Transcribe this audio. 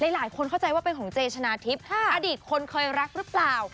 หลายคนเข้าใจว่าเป็นของเจชนะทิพย์อดีตคนเคยรักหรือเปล่า